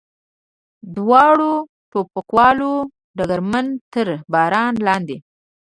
دواړو ټوپکوالو ډګرمن تر باران لاندې.